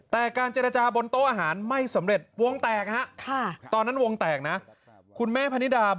แต่การเจรจาบนโต๊ะอาหารไม่สำเร็จวงแตกฮะตอนนั้นวงแตกนะคุณแม่พนิดา